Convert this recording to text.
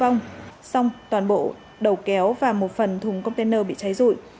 trong vòng sông toàn bộ đầu kéo và một phần thùng container bị cháy rụi